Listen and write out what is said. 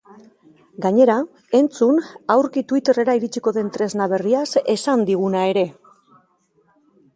Gainera, entzun aurki twitter-era iritsiko den tresna berriaz esan diguna ere.